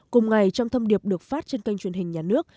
cùng ngày trong thông điệp được phát trên kênh truyền hình nhà nước